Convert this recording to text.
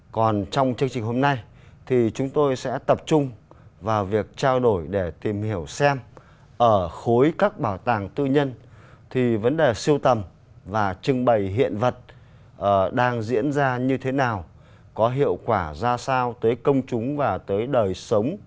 còn trong chương trình hôm nay thì chúng tôi sẽ tập trung vào việc trao đổi để tìm hiểu xem ở khối các bảo tàng tư nhân thì vấn đề siêu tầm và trưng bày hiện vật đang diễn ra như thế nào có hiệu quả ra sao tới công chúng và tới đời sống